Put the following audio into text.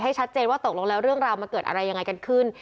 ชัดเจนว่าตกลงแล้วเรื่องราวมันเกิดอะไรยังไงกันขึ้น